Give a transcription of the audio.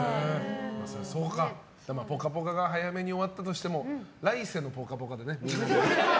そうか、「ぽかぽか」が早めに終わったとしても来世の「ぽかぽか」でね。